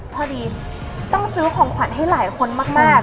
พอดีต้องซื้อของขวัญให้หลายคนมาก